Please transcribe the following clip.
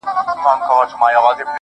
خيال ويل ه مـا پــرې وپاسه~